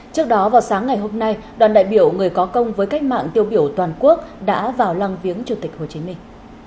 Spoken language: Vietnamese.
trước đó vào sáng ngày hôm nay đoàn đại biểu người có công với cách mạng tiêu biểu toàn quốc đã vào lăng viếng chủ tịch hồ chí minh